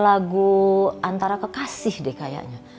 lagu antara kekasih deh kayaknya